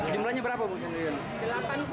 jumlahnya berapa mungkin